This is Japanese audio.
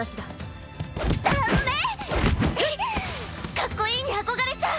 かっこいいに憧れちゃ。